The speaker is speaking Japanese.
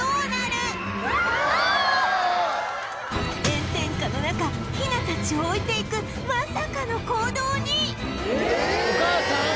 炎天下の中ヒナたちを置いていくまさかの行動に